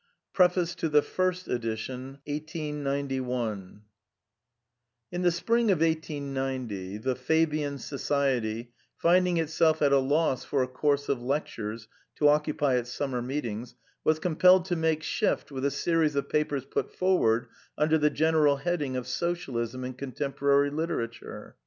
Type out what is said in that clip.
PREFACE TO FIRST EDITION In the spring of 1890, the Fabian Society, finding itself at a loss for a coqrse of lectures to occupy its summer meetings, was compelled to make shift with a series of papers put forward under the general heading of Socialism in Contemporary Literature.